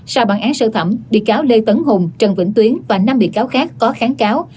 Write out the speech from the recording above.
sau bản án sơ thẩm bị cáo lê tấn hùng trần vĩnh tuyến và năm bị cáo khác có kháng cáo